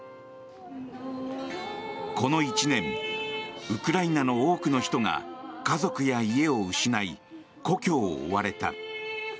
この１年ウクライナの多くの人が家族や家を失い故郷を追われた。